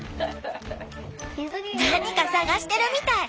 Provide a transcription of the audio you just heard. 何か探してるみたい。